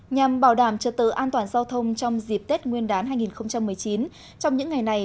nhằm bảo đảm trật tự an toàn giao thông trong dịp tết nguyên đán hai nghìn một mươi chín trong những ngày này